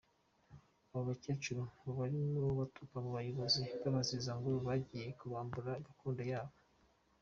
Abo bakecuru ngo barimo batuka abo bayobozi babaziza ko ngo bagiye kubambura gakondo yabo.